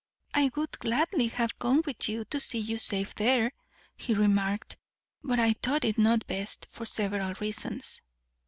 "I would gladly have gone with you, to see you safe there," he remarked; "but I thought it not best, for several reasons."